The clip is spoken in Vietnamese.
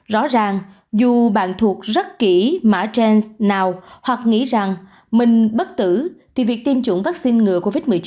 rõ ràng dù bạn thuộc rất kỹ mã gen nào hoặc nghĩ rằng mình bất tử thì việc tiêm chủng vắc xin ngừa covid một mươi chín